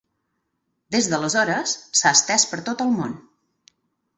Des d'aleshores, s'ha estès per tot el món.